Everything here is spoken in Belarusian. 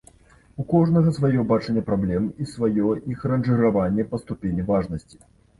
У кожнага сваё бачанне праблем і сваё іх ранжыраванне па ступені важнасці.